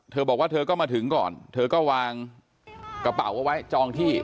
เธอบอกว่าเธอก็มาถึงก่อนเธอก็วางกระเป๋าเอาไว้จองที่